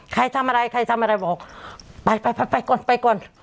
ใครทำอะไรใครทำอะไรบอกไปไปก่อนไปก่อน